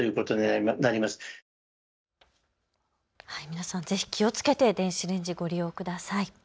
皆さんぜひ気をつけて電子レンジ、ご利用ください。